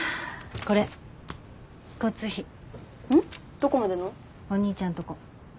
どこまでの？お兄ちゃんとこ。